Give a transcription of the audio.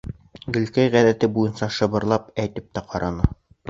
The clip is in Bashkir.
Гөлкәй ғәҙәте буйынса шыбырлап әйтеп тә ҡараны.